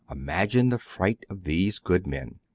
Imagine the fright of these good men.